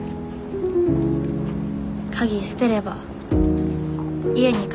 鍵捨てれば家に帰れなくなる。